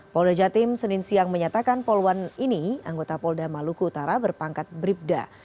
polda jatim senin siang menyatakan poluan ini anggota polda maluku utara berpangkat bribda